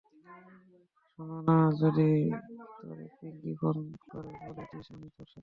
শোন না, যদি তোরে পিংকি ফোন করে, বলে দিস আমি তোর সাথে।